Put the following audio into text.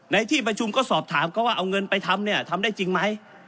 ในที่ประชุมก็สอบถามเขาว่าเอาเงินไปทำเนี่ยทำได้จริงไหม